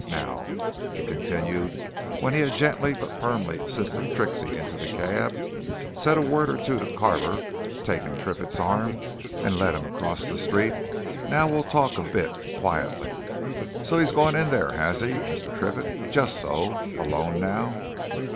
Now," he continued, when he had gently but firmly assisted Trixie into the cab, said a word or two to Carver, taken Triffitt's arm, and led him across the street, "now we'll talk a bit, quietly. So he's gone in there, has he, Mr. Triffitt? Just so. Alone, now?"